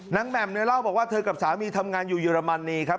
แหม่มเนี่ยเล่าบอกว่าเธอกับสามีทำงานอยู่เยอรมนีครับ